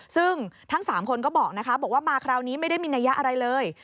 ซึ่งทั้ง๓คนก็บอกนะคะบอกว่ามาคราวนี้ไม่ได้มีนัยยะอะไรเลย